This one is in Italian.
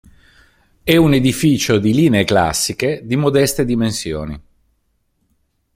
È un edificio di linee classiche di modeste dimensioni.